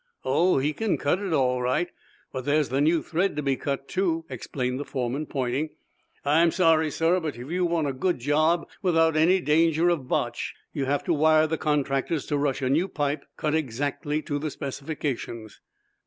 "Oh, he can cut it all right, but there's the new thread to be cut, too," explained the foreman, pointing. "I'm sorry, sir, but if you want a good job, without any danger of botch, you'll have to wire the contractors to rush a new pipe, cut exactly to the specifications."